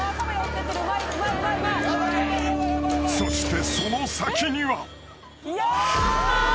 ［そしてその先には］